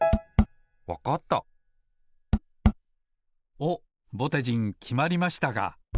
おっぼてじんきまりましたか。